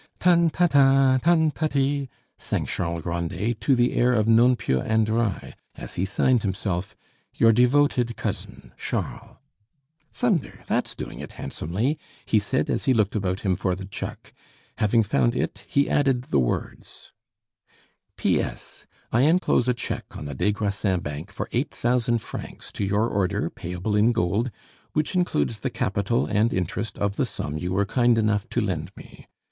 "Tan, ta, ta tan, ta, ti," sang Charles Grandet to the air of Non piu andrai, as he signed himself, Your devoted cousin, Charles. "Thunder! that's doing it handsomely!" he said, as he looked about him for the cheque; having found it, he added the words: P.S. I enclose a cheque on the des Grassins bank for eight thousand francs to your order, payable in gold, which includes the capital and interest of the sum you were kind enough to lend me.